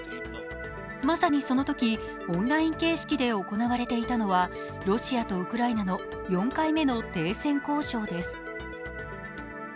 まさにそのとき、オンライン形式で行われていたのはロシアとウクライナの４回目の停戦交渉です。